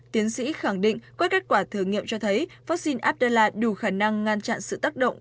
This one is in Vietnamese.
tiến sĩ khẳng định qua kết quả thử nghiệm cho thấy vaccine abdella đủ khả năng ngăn chặn sự tác động